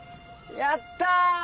やった！